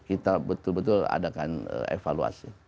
kita betul betul adakan evaluasi